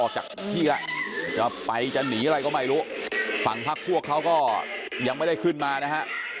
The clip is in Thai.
ออกจากที่แล้วจะไปจะหนีอะไรก็ไม่รู้ฝั่งพักพวกเขาก็ยังไม่ได้ขึ้นมานะฮะ